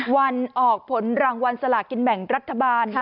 วันออกผลรางวัลสลากินแบ่งรัฐบาล